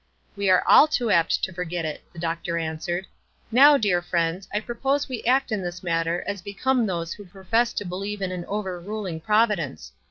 "We are all too apt to forget it," the doctor answered. "Now, dear friends, I propose we act in this matter as become those who profess to believe in an overruling Providence.